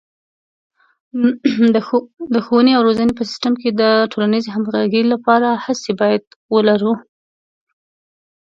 د ښوونې او روزنې په سیستم کې د ټولنیزې همغږۍ لپاره هڅې باید ولرو.